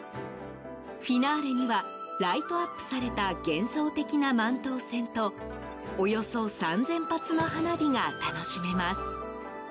フィナーレにはライトアップされた幻想的な万灯船とおよそ３０００発の花火が楽しめます。